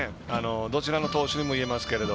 どちらの投手にもいえますけど。